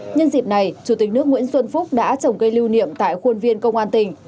nhân dịp này chủ tịch nước nguyễn xuân phúc đã trồng cây lưu niệm tại khuôn viên công an tỉnh